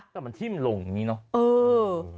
เป็นชิ้นรุ่งอย่างนี้เนาะ